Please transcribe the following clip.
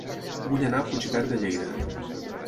Vull anar a Puigverd de Lleida